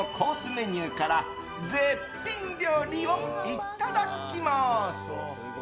メニューから絶品料理をいただきます。